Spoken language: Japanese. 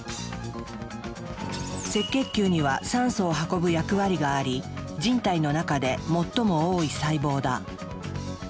赤血球には酸素を運ぶ役割があり人体の中で最も多い細胞だ。